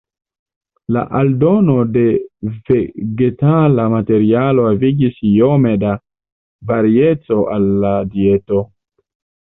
La aldono de vegetala materialo havigis iome da varieco al la dieto.